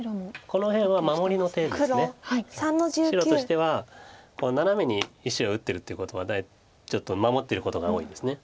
白としてはナナメに石を打ってるっていうことはちょっと守ってることが多いんです。